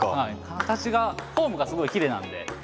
形がフォームがすごいきれいなんで。